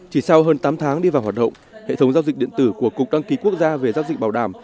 chỉ sau hơn tám tháng đi vào hoạt động hệ thống giao dịch điện tử của cục đăng ký quốc gia về giao dịch bảo đảm